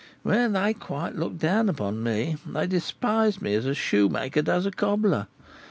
Well, they quite looked down upon me; they despised me as a shoemaker does a cobbler.